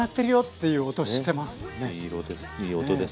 いい音です。